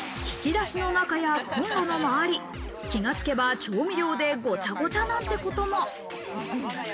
引き出しの中やコンロの周り、気がつけば、調味料でごちゃごちゃなんてことも。